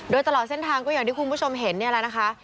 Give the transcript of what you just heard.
โดยตลอดเส้นทางก็อย่างที่คุณผู้ชมเห็นนี่แหละนะคะ